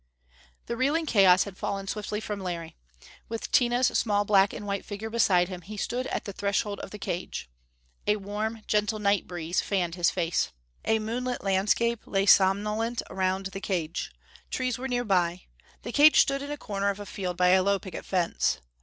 The reeling chaos had fallen swiftly from Larry. With Tina's small black and white figure beside him, he stood at the threshold of the cage. A warm gentle night breeze fanned his face. A moonlit landscape lay somnolent around the cage. Trees were nearby. The cage stood in a corner of a field by a low picket fence.